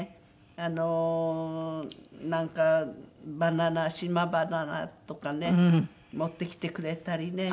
あのなんかバナナ島バナナとかね持ってきてくれたりね。